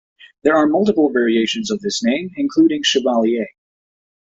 There are multiple variations of this name, including Chevalier.